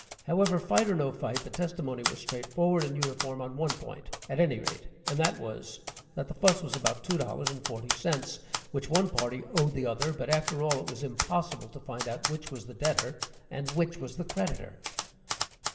However, fight or no fight, the testimony was straightforward and uniform on one point, at any rate, and that was, that the fuss was about two dollars and forty cents, which one party owed the other, but after all, it was impossible to find out which was the debtor and which the creditor.